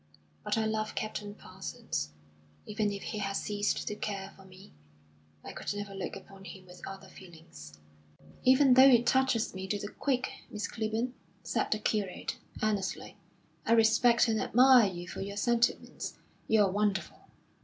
But I love Captain Parsons. Even if he has ceased to care for me, I could never look upon him with other feelings." "Even though it touches me to the quick, Miss. Clibborn," said the curate, earnestly, "I respect and admire you for your sentiments. You are wonderful.